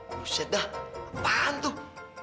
buset dah apaan tuh